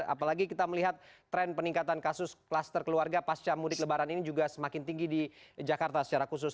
apalagi kita melihat tren peningkatan kasus klaster keluarga pasca mudik lebaran ini juga semakin tinggi di jakarta secara khusus